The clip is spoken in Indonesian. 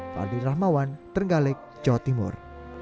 fardin rahmawan terenggaleg jawa timur